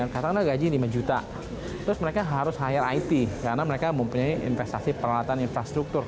katakanlah gaji lima juta terus mereka harus hire it karena mereka mempunyai investasi peralatan infrastruktur